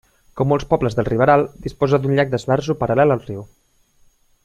Com molts pobles del Riberal, disposa d'un llac d'esbarjo paral·lel al riu.